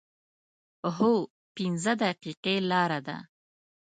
هو، پنځه دقیقې لاره ده